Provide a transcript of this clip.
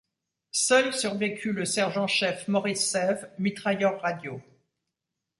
Seul survécut le sergent-chef Maurice Sève, mitrailleur radio.